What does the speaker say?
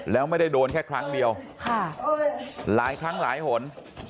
แล้วไม่ได้โดนแค่ครั้งเดียวหลายครั้งหลายหน